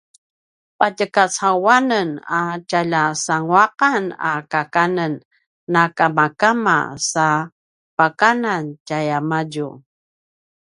patjekacauanen a tjalja sanguaqan a kakanen na kamakama sa pakanan tjayamadju